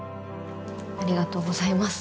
ありがとうございます。